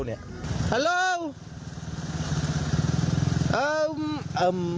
ฮัลโหล